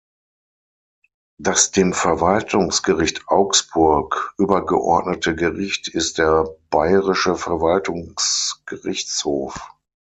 Das dem Verwaltungsgericht Augsburg übergeordnete Gericht ist der Bayerische Verwaltungsgerichtshof.